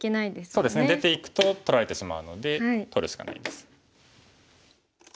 そうですね出ていくと取られてしまうので取るしかないです。